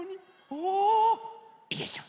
およいしょ！